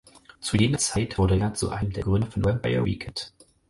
Zu jener Zeit wurde er zu einem der Gründer von Vampire Weekend.